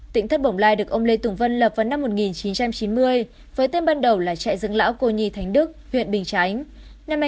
tỉnh thất bồng lai được ông lê tùng vân lập vào năm một nghìn chín trăm chín mươi với tên ban đầu là trại dựng lão cô nhi thánh đức huyện bình chánh